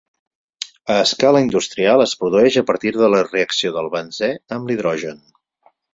A escala industrial es produeix a partir de la reacció del benzè amb l'hidrogen.